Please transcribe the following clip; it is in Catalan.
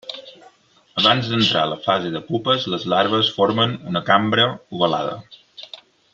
Abans d'entrar a la fase de pupes, les larves formen una cambra ovalada.